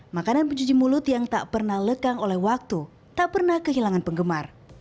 makanan pencuci mulut yang tak pernah lekang oleh waktu tak pernah kehilangan penggemar